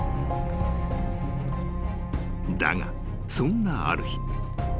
［だがそんなある日］